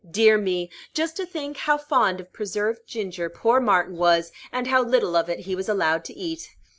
Dear me! Just to think how fond of preserved ginger poor Martin was, and how little of it he was allowed to eat!